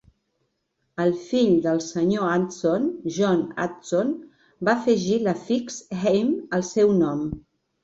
El fill del senyor Andson, John Andson va afegir l'afix "heim" al seu nom.